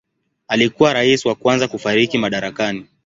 Alikuwa rais wa kwanza kufariki madarakani.